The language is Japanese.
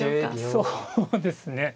そうですね